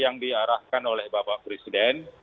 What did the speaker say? yang diarahkan oleh bapak presiden